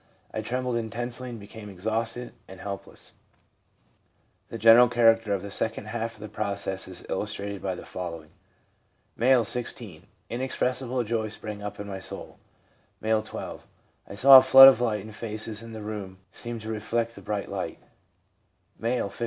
I trembled intensely, and became exhausted and helpless/ The general character of the second half of the process is illustrated by the following: M., 16. 'In expressible joy sprang up in my soul/ M., 12. 'I saw a flood of light, and faces in the room seemed to reflect the bright light/ M., 15.